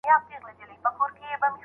ناپوه استاد ته ورتګ ډېره ستره تېروتنه ده.